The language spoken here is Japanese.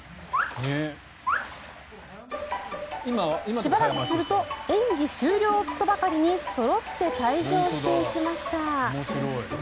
しばらくすると演技終了とばかりにそろって退場していきました。